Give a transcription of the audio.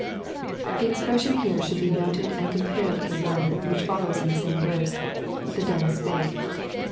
] The expression here used should be noted and compared with the one which follows in the same verse, " the dumb spake."